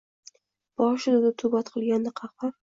Boshida rutubat qilganda qahr